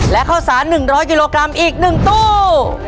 และข้าวสาร๑๐๐กิโลกรัมอีก๑ตู้